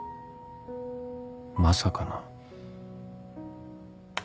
まさかな